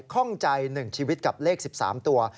ข้องใจ๑ชีวิตกับเลข๑๓ตัว